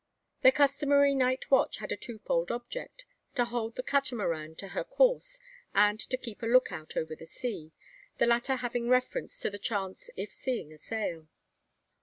Their customary night watch had a twofold object: to hold the Catamaran to her course, and to keep a lookout over the sea, the latter having reference to the chance if seeing a sail.